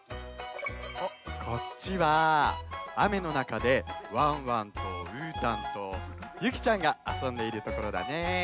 こっちはあめのなかでワンワンとうーたんとゆきちゃんがあそんでいるところだね。